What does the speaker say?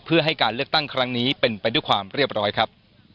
เพื่อให้การเลือกตั้งครั้งนี้เป็นไปด้วยความเรียบร้อยครับ